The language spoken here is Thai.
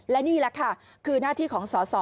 และนี่แหละค่ะคือหน้าที่ของสอสอ